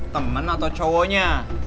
temen atau cowoknya